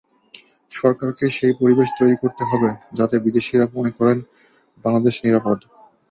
সরকারকেই সেই পরিবেশ তৈরি করতে হবে, যাতে বিদেশিরা মনে করেন বাংলাদেশ নিরাপদ।